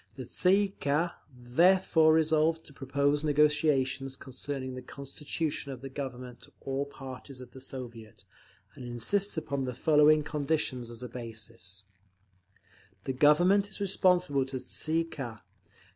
_ The Tsay ee kah therefore resolves to propose negotiations concerning the constitution of the Government to all parties of the Soviet, and insists upon the following conditions as a basis: The Government is responsible to the _Tsay ee kah.